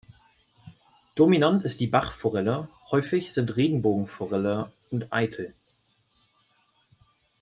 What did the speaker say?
Dominant ist die Bachforelle, häufig sind Regenbogenforelle und Aitel.